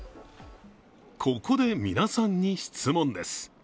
ここで皆さんに質問です。